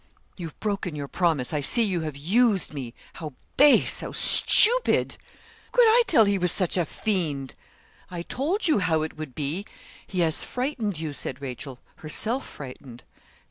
'You've broken your promise. I see you have used me. How base; how stupid!' 'How could I tell he was such a fiend?' 'I told you how it would be. He has frightened you,' said Rachel, herself frightened.